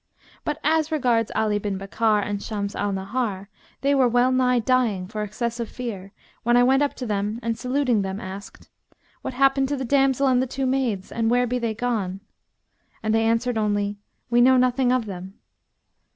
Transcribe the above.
But as regards Ali bin Bakkar and Shams al Nahar; they were well nigh dying for excess of fear, when I went up to them and saluting them, asked, 'What happened to the damsel and the two maids, and where be they gone?', and they answered only, 'We know nothing of them.'